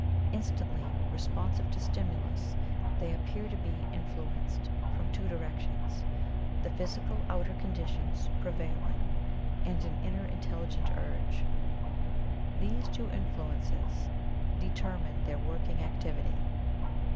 Instantly re sponsive to stimulus, they appear to be in fluenced from two directions — the physical outer conditions prevailing and an inner in telligent urge. These two influences deter mine their working activity.